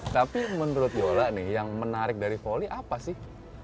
tapi menurut yola nih yang menarik dari volley apa sih